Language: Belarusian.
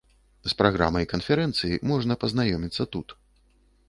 З праграмай канферэнцыі можна пазнаёміцца тут.